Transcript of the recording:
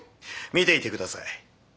見ていて下さい。